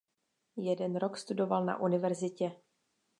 Jeden rok studoval na univerzitě.